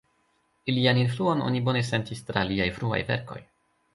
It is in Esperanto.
Ilian influon oni bone sentis tra liaj fruaj verkoj.